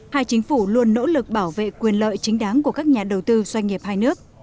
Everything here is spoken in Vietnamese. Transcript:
hai chính phủ luôn nỗ lực bảo vệ quyền lợi chính đáng của các nhà đầu tư doanh nghiệp hai nước